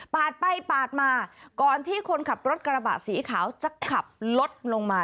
ไปปาดมาก่อนที่คนขับรถกระบะสีขาวจะขับรถลงมา